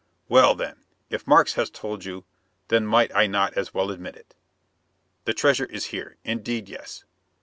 "Well, then, if Markes has told you, then might I not as well admit it? The treasure is here, indeed yes.